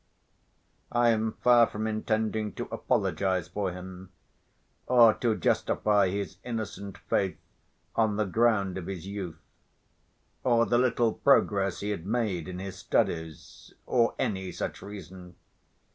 I am far from intending to apologize for him or to justify his innocent faith on the ground of his youth, or the little progress he had made in his studies, or any such reason.